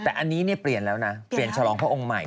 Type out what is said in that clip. แต่อันนี้เปลี่ยนแล้วนะเปลี่ยนฉลองพระองค์ใหม่